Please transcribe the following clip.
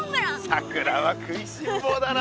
さくらは食いしん坊だな！